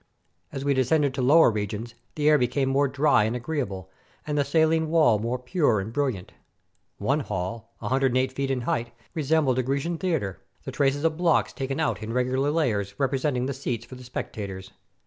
As we descended to lower regions, the air became more dry and agreeable, and the saUne wall more pure and brilliant. One hall, io8 feet in height, resembled a Grecian theater, the 371 AUSTRIA HUNGARY traces of blocks taken out in regular layers representing the seats for the spectators.